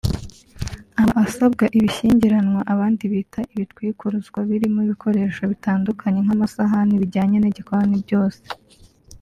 aba asabwa ibishyingiranwa (abandi bita ibitwikuruzwa) birimo ibikoresho bitandukanye nk’amasahani n’ibijyana n’igikoni byose